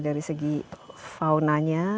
dari segi faunanya